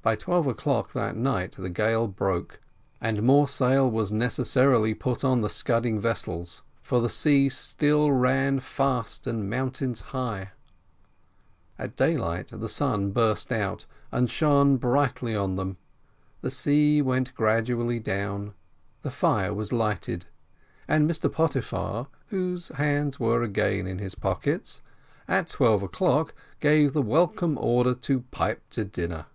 By twelve o'clock that night the gale broke, and more sail was necessarily put on the scudding vessel, for the sea still ran fast and mountains high. At daylight the sun burst out and shone brightly on them, the sea went gradually down, the fire was lighted, and Mr Pottyfar, whose hands were again in his pockets, at twelve o'clock gave the welcome order to pipe to dinner.